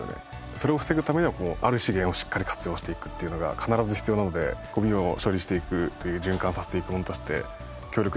それを防ぐためにはある資源をしっかり活用していくっていうのが必ず必要なのでゴミを処理していく循環させていく者として。